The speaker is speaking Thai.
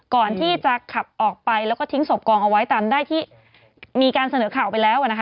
ก่อนที่จะขับออกไปแล้วก็ทิ้งศพกองเอาไว้ตามได้ที่มีการเสนอข่าวไปแล้วนะคะ